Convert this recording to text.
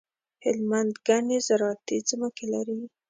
هلمند ګڼي زراعتي ځمکي لري.